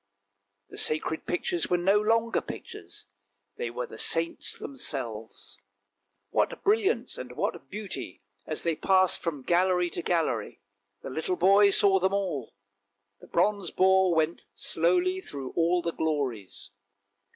The sacred pictures were no longer pictures, they were the saints themselves. What brilliance and what beauty as they passed from gallery to gallery! the little boy saw them all; the bronze boar went slowly through all the glories.